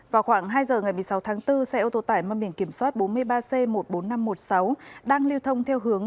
vào khoảng hai giờ ngày một mươi sáu tháng bốn xe ô tô tải mang biển kiểm soát bốn mươi ba c một mươi bốn nghìn năm trăm một mươi sáu đang lưu thông theo hướng